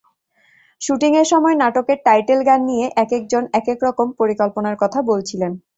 শুটিংয়ের সময় নাটকের টাইটেল গান নিয়ে একেকজন একেক রকম পরিকল্পনার কথা বলছিলেন।